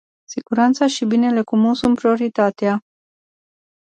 Siguranța și binele comun sunt prioritatea.